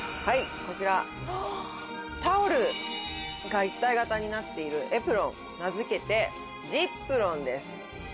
こちらタオルが一体型になっているエプロン名づけてｚｉｐｒｏｎです。